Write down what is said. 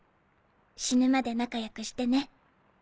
死ぬまで仲良くしてね。